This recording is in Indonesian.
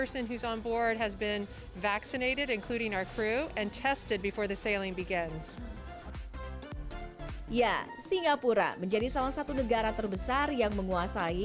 seluruh kru kapal pesiar ini juga bisa menjalani pemeriksaan kursif